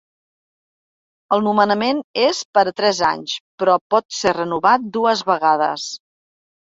El nomenament és per a tres anys, però pot ser renovat dues vegades.